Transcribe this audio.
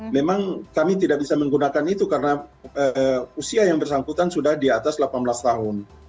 memang kami tidak bisa menggunakan itu karena usia yang bersangkutan sudah di atas delapan belas tahun